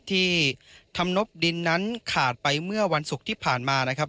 ที่ทำนบดินนั้นขาดไปเมื่อวันศุกร์ที่ผ่านมานะครับ